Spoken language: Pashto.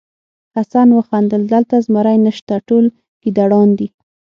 حسن وخندل دلته زمری نشته ټول ګیدړان دي.